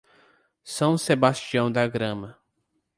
São Sebastião da Grama